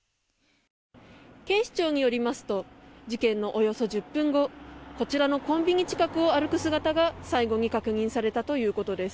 警視庁によりますと事件のおよそ１０分後こちらのコンビニ近くを歩く姿が最後に確認されたということです。